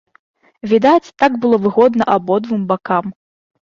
Відаць, так было выгодна абодвум бакам.